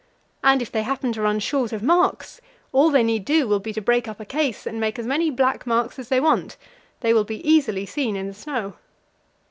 And if they happen to run short of marks, all they need do will be to break up a case and make as many black marks as they want; they will be easily seen in the snow.